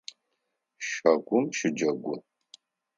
Щагум щыджэгу!